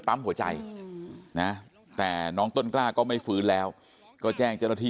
หัวใจนะแต่น้องต้นกล้าก็ไม่ฟื้นแล้วก็แจ้งเจ้าหน้าที่